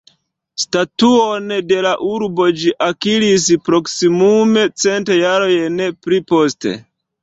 Statuon de la urbo ĝi akiris proksimume cent jarojn pli poste.